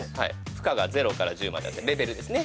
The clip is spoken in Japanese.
負荷が０から１０まであってレベルですね